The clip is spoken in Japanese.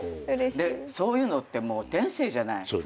そういうのって天性じゃない。